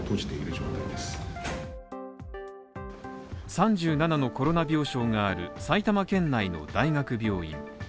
３７のコロナ病床がある埼玉県内の大学病院